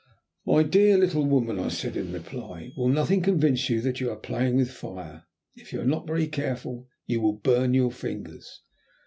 "My dear little woman," I said in reply, "will nothing convince you that you are playing with fire? If you are not very careful you will burn your fingers.